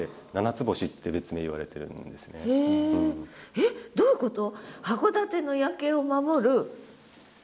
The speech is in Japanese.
えっどういうこと？